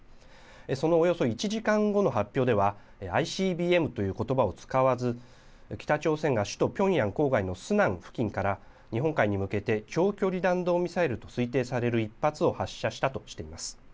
そのおよそ１時間後の発表では、ＩＣＢＭということばを使わず、北朝鮮が首都ピョンヤン郊外のスナン付近から、日本海に向けて長距離弾道ミサイルと推定される１発を発射したとしています。